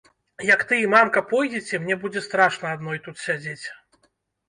Як ты і мамка пойдзеце, мне будзе страшна адной тут сядзець.